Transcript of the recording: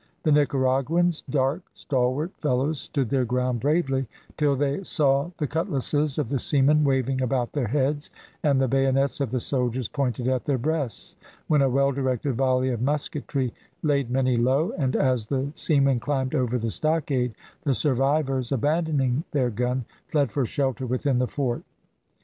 The Nicaraguans, dark, stalwart fellows, stood their ground bravely, till they saw the cutlasses of the seamen waving about their heads, and the bayonets of the soldiers pointed at their breasts, when a well directed volley of musketry laid many low, and as the seamen climbed over the stockade, the survivors abandoning their gun, fled for shelter within the fort.